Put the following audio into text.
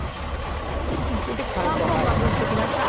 それでパン粉をまぶしてください。